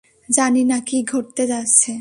জানি না কি ঘটতে যাচ্ছে।